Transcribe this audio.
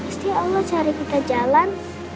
isti allah cari kita jalan